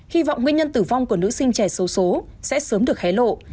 hy vọng nguyên nhân tử vong của nữ sinh trẻ xấu xố sẽ sớm được hé lộ